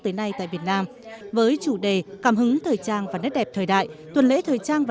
tới nay tại việt nam với chủ đề cảm hứng thời trang và nét đẹp thời đại tuần lễ thời trang